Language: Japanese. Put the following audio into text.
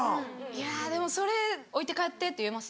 いやでもそれ「置いて帰って」って言えます？